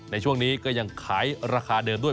ในช่วงนี้ก็ยังขายราคาเดิมด้วย